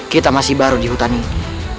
kita masih baru di hutan ini